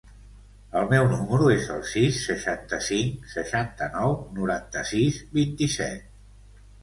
El meu número es el sis, seixanta-cinc, seixanta-nou, noranta-sis, vint-i-set.